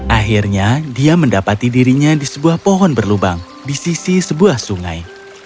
akhirnya dia mendapati dirinya di sebuah pohon berlubang di sisi sebuah sungai